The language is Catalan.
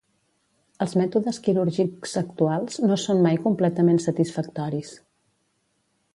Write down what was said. Els mètodes quirúrgics actuals no són mai completament satisfactoris.